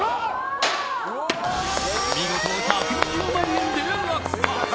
見事、１２０万円で落札。